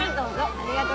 ありがとう！